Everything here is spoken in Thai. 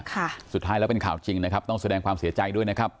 สุดท้ายแล้วเป็นข่าวจริงนะครับต้องแสดงความเสียใจด้วยนะครับ